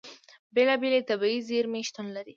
بېلابېلې طبیعي زیرمې شتون لري.